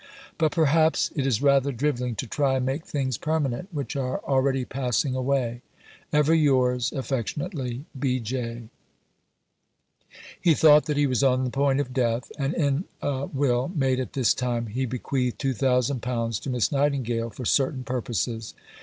But perhaps it is rather drivelling to try and make things permanent which are already passing away. Ever yours affectionately, B. J." He thought that he was on the point of death, and in a will made at this time he bequeathed "£2000 to Miss Nightingale for certain purposes."